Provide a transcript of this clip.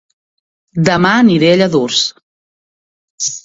Dema aniré a Lladurs